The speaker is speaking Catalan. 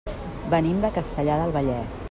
Venim de Castellar del Vallès.